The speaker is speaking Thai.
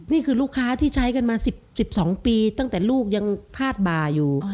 นี่คือลูกค้าที่ใช้กันมา๑๒ปีตั้งแต่ลูกยังพาดบ่าอยู่